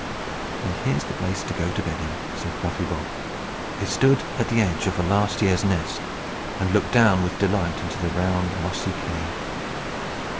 "Then here's the place to go to bed in," said Buffy Bob. They stood at the edge of a last year's nest, and looked down with delight into the round, mossy cave.